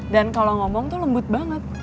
dan kalau ngomong tuh lembut banget